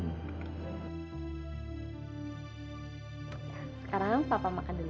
sekarang papa makan dulu ya